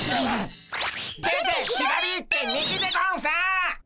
出て左行って右！でゴンス！